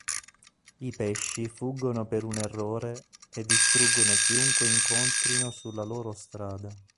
I pesci fuggono per un errore e distruggono chiunque incontrino sulla loro strada.